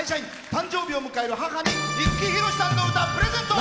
誕生日を迎える母に五木ひろしさんの歌をプレゼント。